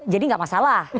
jadi gak masalah